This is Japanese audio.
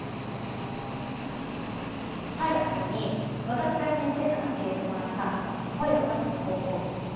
大我君に私が先生から教えてもらった声を出す方法教えてあげる。